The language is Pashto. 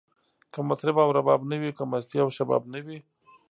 که مطرب او رباب نه وی، که مستی او شباب نه وی